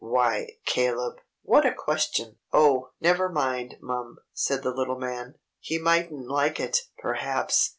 "Why, Caleb! What a question!" "Oh, never mind, mum," said the little man. "He mightn't like it, perhaps.